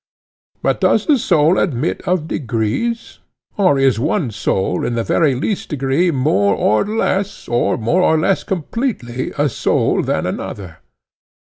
But does the soul admit of degrees? or is one soul in the very least degree more or less, or more or less completely, a soul than another?